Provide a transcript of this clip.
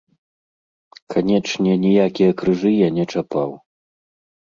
Канечне, ніякія крыжы я не чапаў.